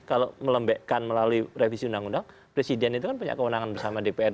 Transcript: kalau melembekkan melalui revisi undang undang presiden itu kan punya kewenangan bersama dpr